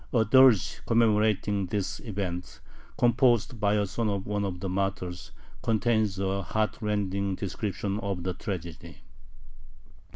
A dirge commemorating this event, composed by a son of one of the martyrs, contains a heartrending description of the tragedy.